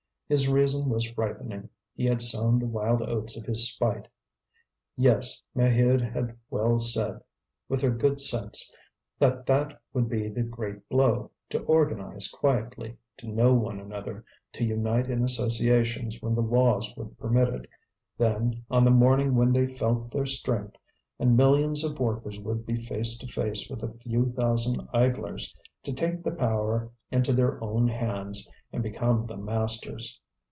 His reason was ripening, he had sown the wild oats of his spite. Yes, Maheude had well said, with her good sense, that that would be the great blow to organize quietly, to know one another, to unite in associations when the laws would permit it; then, on the morning when they felt their strength, and millions of workers would be face to face with a few thousand idlers, to take the power into their own hands and become the masters.